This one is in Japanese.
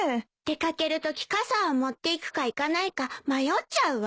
出掛けるとき傘を持っていくかいかないか迷っちゃうわ。